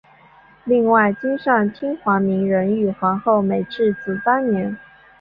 另外今上天皇明仁与皇后美智子当年。